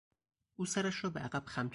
او سرش را به عقب خم کرد.